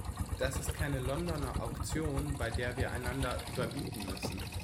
Das ist keine Londoner Auktion, bei der wir einander überbieten müssen.